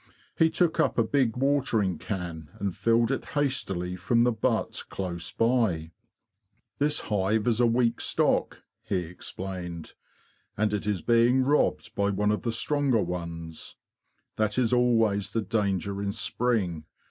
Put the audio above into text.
He took up a big watering can and filled it hastily from the butt close by. "'This hive is a weak stock,"' he explained, '' and it is being robbed by one of the stronger ones. That is always the danger in spring.